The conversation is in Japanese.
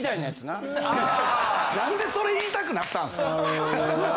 なんでそれ言いたくなったんですか。